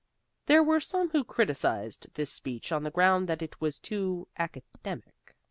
There were some who criticized this speech on the ground that it was too academic.